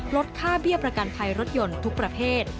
ลดค่าเบี้ยประกันภัยรถยนต์ทุกประเภท